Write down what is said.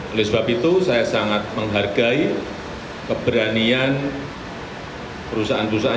oleh sebab itu saya sangat menghargai keberanian perusahaan perusahaan